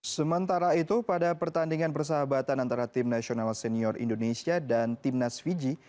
sementara itu pada pertandingan persahabatan antara tim nasional senior indonesia dan timnas fiji